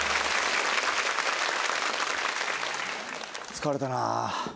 疲れたなあ。